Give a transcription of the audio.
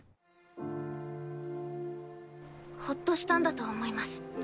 ほっとしたんだと思います。